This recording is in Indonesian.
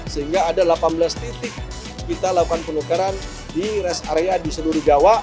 sehingga ada delapan belas titik kita lakukan penukaran di rest area di seluruh jawa